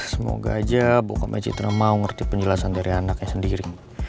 semoga aja bu kome citra mau ngerti penjelasan dari anaknya sendiri